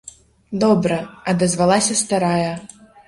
- Добра, - адазвалася старая.